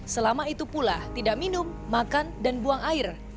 selama itu pula tidak minum makan dan buang air